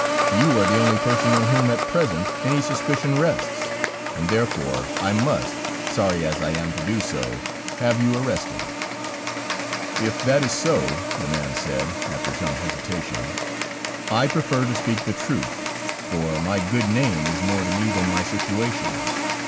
You are the only person on whom, at present, any suspicion rests, and therefore I must sorry as I am to do so have you arrested." "If that is so," the man said, after some hesitation, "I prefer to speak the truth, for my good name is more to me than my situation.